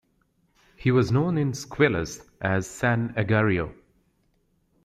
He was known in Squillace as "San Agario".